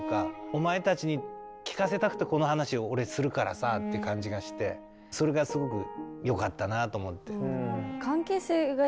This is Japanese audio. お前たちに聞かせたくてこの話を俺するからさって感じがしてそれがすごく良かったなと思って。